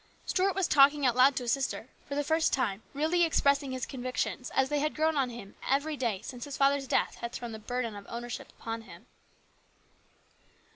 Stuart was talking out aloud to his sister, for the first time really expressing his 42 HIS BROTHER'S KEEPER. convictions as they had grown on him every day since his father's death had thrown the burden of ownership upon him.